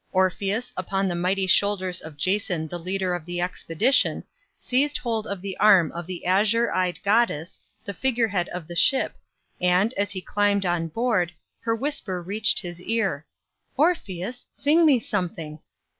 Orpheus, upon the mighty shoulders of Jason the leader of the expedition, seized hold of the arm of the azure eyed goddess, the figure head of the ship, and, as he climbed on board, her whisper reached his ear. "Orpheus, sing me something."